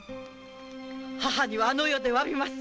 母にはあの世でわびます。